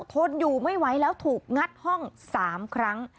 ทนอยู่ไม่ไหวแล้วถูกงัดห้อง๓ครั้ง